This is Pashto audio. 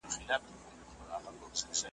زه خبر سوم ,